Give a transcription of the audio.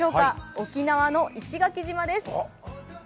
沖縄の石垣島です。